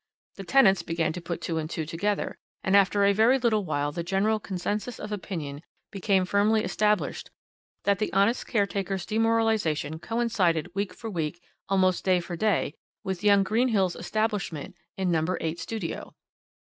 The tenants began to put two and two together, and after a very little while the general consensus of opinion became firmly established that the honest caretaker's demoralisation coincided week for week, almost day for day, with young Greenhill's establishment in No. 8 Studio.